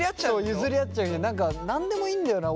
譲り合っちゃうし何でもいいんだよな